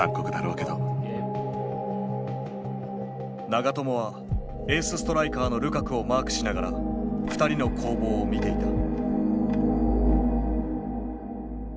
長友はエースストライカーのルカクをマークしながら２人の攻防を見ていた。